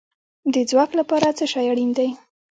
د ځواک لپاره څه شی اړین دی؟